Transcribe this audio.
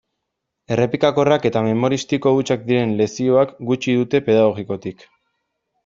Errepikakorrak eta memoristiko hutsak diren lezioak gutxi dute pedagogikotik.